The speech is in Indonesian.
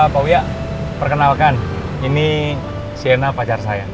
pak wia perkenalkan ini sienna pacar saya